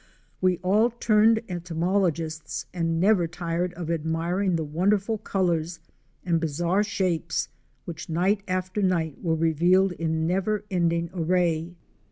We all turned entomologists and never tired of admiring the wonderful colors, and bizarre shapes which night after night were revealed in never ending array.